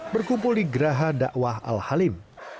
berkumpul di geraha dakwah al halim